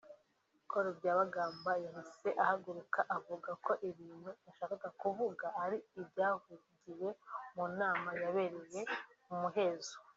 Col Byabagamba yahise ahaguruka avuga ko ibintu yashakaga kuvuga ari ibyavugiwe mu nama yabereye mu muhezo